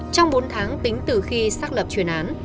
trong bốn tháng tính từ khi xác lập chuyên án